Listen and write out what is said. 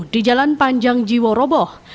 di jalan panjang jiwo roboh